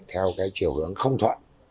theo chiều hướng không thuận